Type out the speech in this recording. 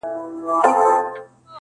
د تندې کرښو راوستلی یم د تور تر کلي!.